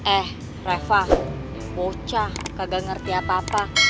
eh reva bocah kagak ngerti apa apa